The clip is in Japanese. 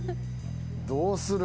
どうする？